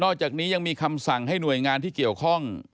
จากนี้ยังมีคำสั่งให้หน่วยงานที่เกี่ยวข้อง